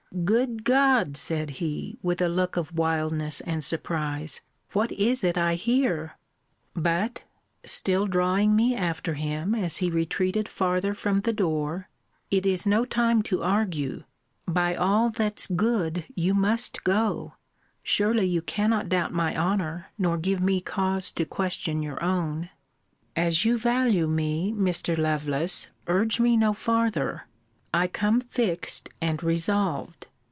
Good God! said he, with a look of wildness and surprise, what is it I hear? But [still drawing me after him, as he retreated farther from the door] it is no time to argue by all that's good you must go surely you cannot doubt my honour, nor give me cause to question your own. As you value me, Mr. Lovelace, urge me no farther. I come fixed and resolved.